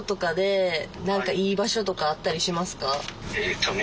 えっとね